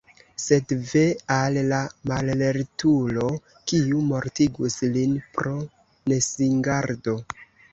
Sed ve al la mallertulo, kiu mortigus lin pro nesingardo!